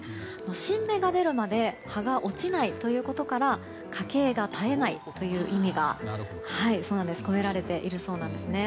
新芽が出るまで葉が落ちないということから家系が絶えないという意味が込められているそうなんですね。